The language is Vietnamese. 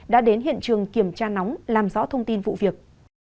đã đến hiện trường kiểm tra nóng làm rõ thông tin vụ việc